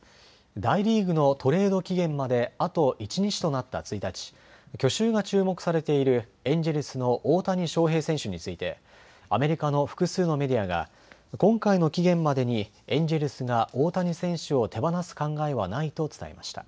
大リーグのトレード期限まであと１日となった１日、去就が注目されているエンジェルスの大谷翔平選手について、アメリカの複数のメディアが今回の期限までにエンジェルスが大谷選手を手放す考えはないと伝えました。